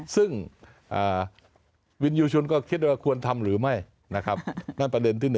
ซึ่งวินยูชนก็คิดว่าควรทำหรือไม่นะครับนั่นประเด็นที่๑